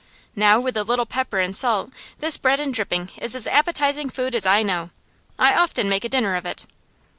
Now, with a little pepper and salt, this bread and dripping is as appetising food as I know. I often make a dinner of it.